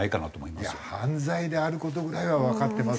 いや犯罪である事ぐらいはわかってます